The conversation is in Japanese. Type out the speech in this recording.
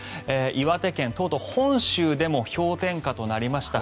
岩手県、とうとう本州でも氷点下となりました。